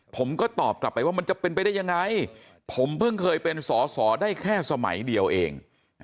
ผมก็ตอบกลับไปว่ามันจะเป็นไปได้ยังไงผมเพิ่งเคยเป็นสอสอได้แค่สมัยเดียวเอง